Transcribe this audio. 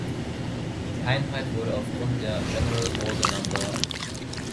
Die Einheit wurde aufgrund der "General Order No.